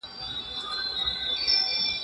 هر څوک به د خپل عمل پایله وګوري.